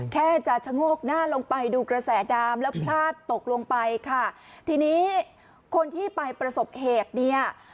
แค่จะชะโงกหน้าลงไปดูกระแสดามแล้วพลาดตกลงไปค่ะทีนี้คนที่ไปประสบเหตุเนี่ย